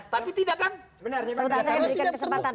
sebentar saya memberikan kesempatan